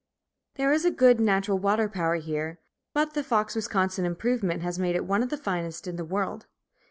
There is a good natural water power here, but the Fox Wisconsin improvement has made it one of the finest in the world.